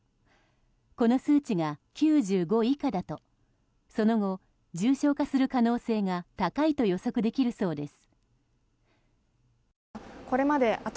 この数値が９５以下だとその後、重症化する可能性が高いと予測できるそうです。